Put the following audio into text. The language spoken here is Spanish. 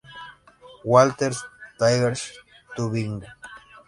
Walter Tigers Tübingen